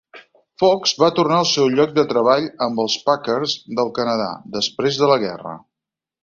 Fox va tornar al seu lloc de treball amb els Packers del Canadà després de la guerra.